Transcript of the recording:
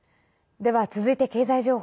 では、続いて経済情報。